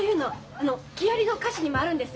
あの木遣りの歌詞にもあるんです。